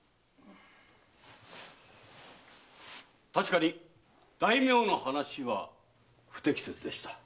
確かに大名の話は不適切でした。